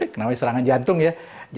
kenapa serangan jantung ya